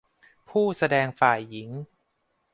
ผู้แสดงฝ่ายหญิง